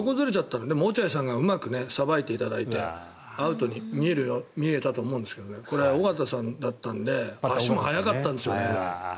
でも落合さんがうまくさばいていただいてアウトに見えたと思うんですがこれ、緒方さんだったので足も速かったんですよね。